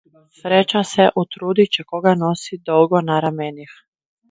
Sreča se utrudi, če koga nosi dolgo na ramenih.